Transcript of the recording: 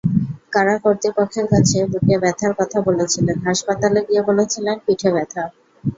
কারা কর্তৃপক্ষের কাছে বুকে ব্যথার কথা বলেছিলেন, হাসপাতালে গিয়ে বলেছেন পিঠে ব্যথা।